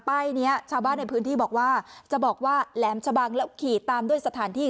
ป้ายนี้ชาวบ้านในพื้นที่บอกว่าจะบอกว่าแหลมชะบังแล้วขี่ตามด้วยสถานที่